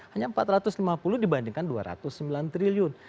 hanya empat ratus lima puluh dibandingkan dua ratus sembilan triliun